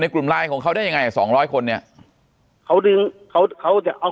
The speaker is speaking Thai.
ในกลุ่มลายของเขาได้ยังไง๒๐๐คนเนี่ยเขาดึงเขาจะเอา